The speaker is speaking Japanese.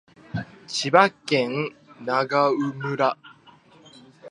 千葉県長生村